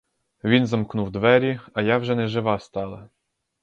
Він замкнув двері, а я вже нежива стала.